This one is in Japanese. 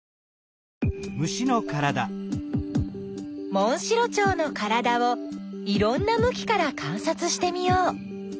モンシロチョウのからだをいろんなむきからかんさつしてみよう。